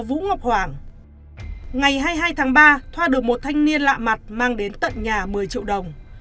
vũ ngọc hoàng ngày hai mươi hai tháng ba thoa được một thanh niên lạ mặt mang đến tận nhà một mươi triệu đồng